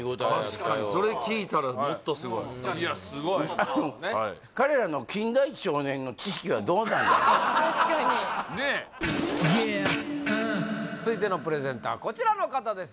確かにそれ聞いたらもっとすごいでも彼らの確かに続いてのプレゼンターはこちらの方です